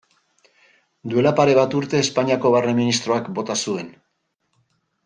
Duela pare bat urte Espainiako Barne ministroak bota zuen.